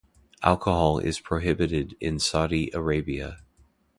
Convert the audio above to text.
Alcohol is prohibited in Saudi Arabia.